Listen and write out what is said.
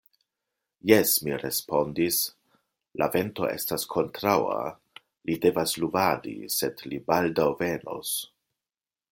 Jes, mi respondis, la vento estas kontraŭa, li devas luvadi, sed li baldaŭ venos.